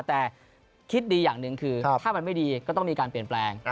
แต่คิดดีอย่างหนึ่งคือถ้ามันไม่ดีก็ต้องมีการเปลี่ยนแปลง